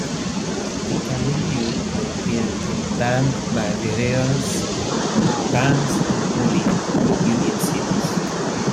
DiCamillo then appeared in Bam Margera's "Bam's Unholy Union" series.